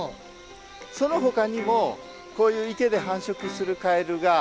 そのほかにもこういう池で繁殖するカエルが。